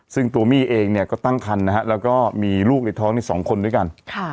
ซึ่งตัวนรพหัวเมียเองเนี่ยก็ตั้งครรภ์และก็มีลูกดีท้อง๒คนด้วยก่อน